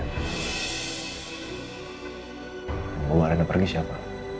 mau ren pergi siapa